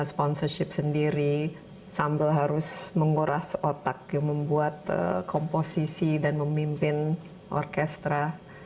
sponsorship sendiri sambil harus menguras otak membuat komposisi dan memimpin orkestra